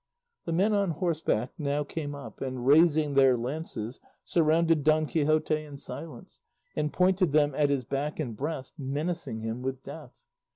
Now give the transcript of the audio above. The men on horseback now came up, and raising their lances surrounded Don Quixote in silence, and pointed them at his back and breast, menacing him with death.